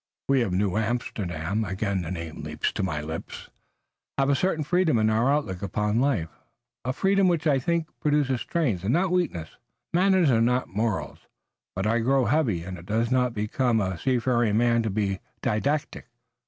We of New Amsterdam again the name leaps to my lips have a certain freedom in our outlook upon life, a freedom which I think produces strength and not weakness. Manners are not morals, but I grow heavy and it does not become a seafaring man to be didactic.